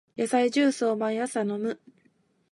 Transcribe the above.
野菜ジュースを毎朝飲む